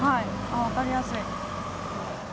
あっ分かりやすい。